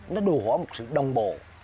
nó đùa hỏi một sự đồng bộ